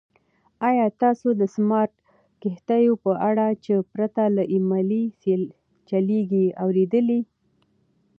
ایا تاسو د سمارټ کښتیو په اړه چې پرته له عملې چلیږي اورېدلي؟